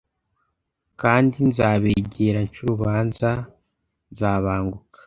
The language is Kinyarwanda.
kandi nzabegera nce urubanza nzabanguka